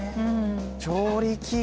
調理器具。